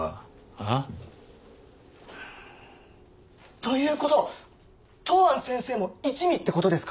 あぁ？ということは東庵先生も一味ってことですか？